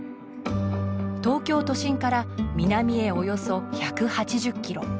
東京都心から南へおよそ１８０キロ。